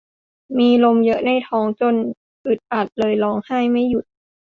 มีลมเยอะในท้องจนอึดอัดเลยร้องไห้ไม่หยุด